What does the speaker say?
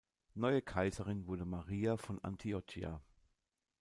Neue Kaiserin wurde Maria von Antiochia.